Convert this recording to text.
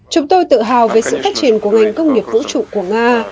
chúng tôi tự hào về sự phát triển của ngành công nghiệp vũ trụ của nga